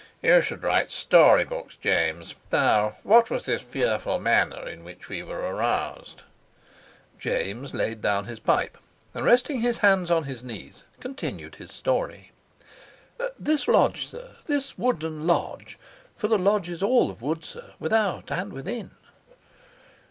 "You should write story books, James. Now what was this fearful manner in which we were aroused?" James laid down his pipe, and, resting his hands on his knees, continued his story. "This lodge, sir, this wooden lodge for the lodge is all of wood, sir, without and within."